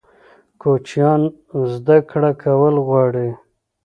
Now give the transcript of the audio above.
کوچنیان زده کړه کول غواړي.